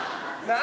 何？